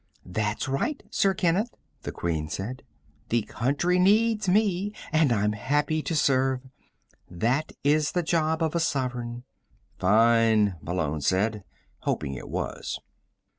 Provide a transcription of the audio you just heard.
"That's right, Sir Kenneth," the Queen said. "The country needs me, and I'm happy to serve. That is the job of a sovereign." "Fine," Malone said, hoping it was.